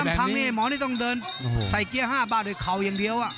พังนี่หมอนี่ต้องเดินใส่เกียร์๕บาทด้วยเข่าอย่างเดียว